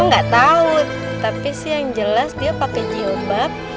aku gak tau tapi sih yang jelas dia pakai jilbab